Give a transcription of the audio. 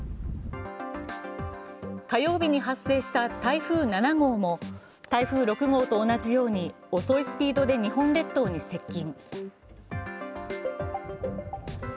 火曜日に発生した台風７号も台風６号と同じように遅いスピードで日本列島に接近。